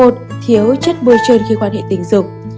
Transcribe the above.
một thiếu chất bôi trơn khi quan hệ tình dục